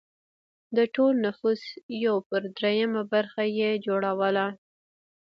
د ټول نفوس یو پر درېیمه برخه یې جوړوله.